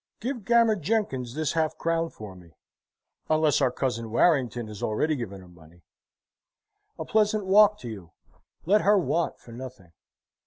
Give Gammer Jenkins this half crown for me unless our cousin, Warrington, has already given her money. A pleasant walk to you. Let her want for nothing."